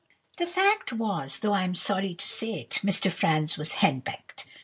"The fact was, though I am sorry to say it, Mr. Franz was henpecked.